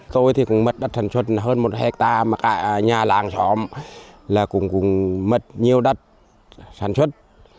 tôi thì cũng mất đất sản xuất hơn một hectare mà cả nhà làng xóm là cũng mất nhiều đất sản xuất